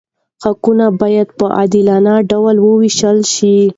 حقونه باید په عادلانه ډول وویشل شي.